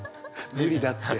無理だって。